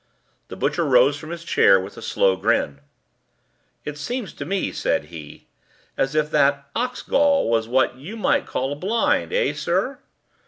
The butcher rose from his chair with a slow grin. "It seems to me," said he, "as if that ox gall was what you might call a blind, eh, sir?"